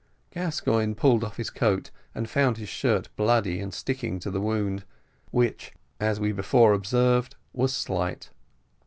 Gascoigne pulled off his coat, and found his shirt bloody and sticking to the wound, which, as we before observed, was slight.